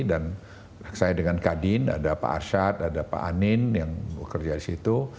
saya dengan kadin ada pak arsyad ada pak anin yang bekerja di situ